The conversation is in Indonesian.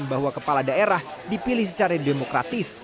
bahwa kepala daerah dipilih secara demokratis